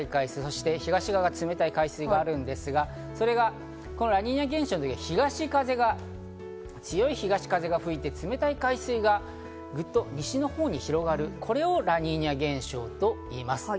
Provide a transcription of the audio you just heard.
通常は暖かい海水、東側は冷たい海水があるんですが、それがラニーニャ現象の時は東風が強くて冷たい海水がグッと西のほうに広がるこれをラニーニャ現象といいます。